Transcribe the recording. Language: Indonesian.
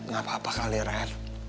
gak apa apa kali ren